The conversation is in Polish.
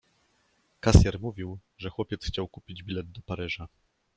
Kasjer mówił, że chłopiec chciał kupić bilet do Paryża.